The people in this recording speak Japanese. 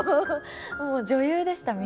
もう女優でしたみんな。